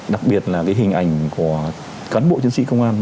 đặc biệt là cái hình ảnh của cán bộ chiến sĩ công an